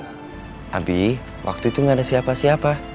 tapi waktu itu gak ada siapa siapa